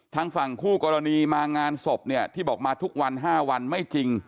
ทางฝั่งคู่กรณีมางานศพเนี่ยที่บอกมาทุกวัน๕วันไม่จริง